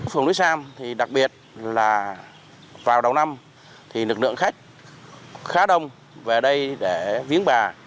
phường núi sam thì đặc biệt là vào đầu năm thì lực lượng khách khá đông về đây để viếng bà